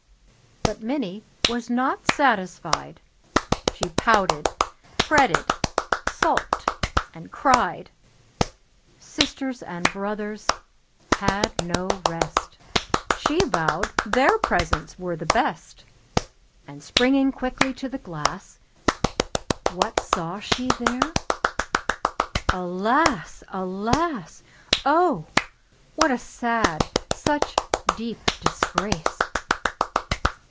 But Minnie was not satisfied, She pouted, fretted, sulked, and cried; Sisters and brothers had no rest, She vowed their presents were the best, And springing quickly to the glass, What saw she there? Alas! alas! Oh! what a sad, such deep disgrace!